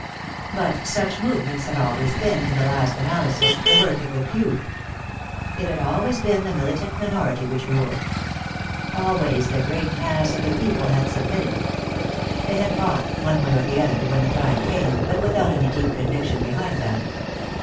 But such movements had always been, in the last analysis, the work of the few. It had always been the militant minority which ruled. Always the great mass of the people had submitted. They had fought, one way or the other when the time came, but without any deep conviction behind them.